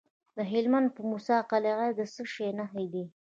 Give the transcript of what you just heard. د هلمند په موسی قلعه کې د څه شي نښې دي؟